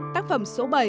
tác phẩm số bảy